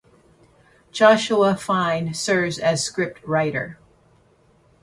Joshua Fine serves as scriptwriter.